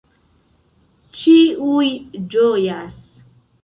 Ĉiuj ĝojas.